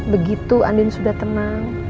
begitu andin sudah tenang